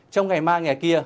trong ngày mai ngày kia